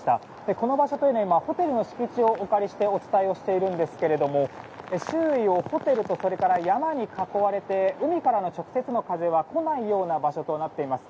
この場所ホテルの敷地をお借りしてお伝えしているんですけれども周囲をホテルと山に囲われて海からの直接の風は来ないような場所となっています。